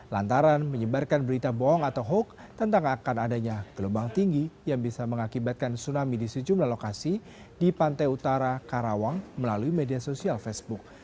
lantaran menyebarkan berita bohong atau hoax tentang akan adanya gelombang tinggi yang bisa mengakibatkan tsunami di sejumlah lokasi di pantai utara karawang melalui media sosial facebook